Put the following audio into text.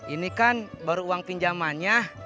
ini kan baru uang pinjamannya